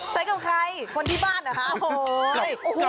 ใช้กับใครคนที่บ้านเหรอฮะ